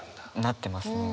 なってますね。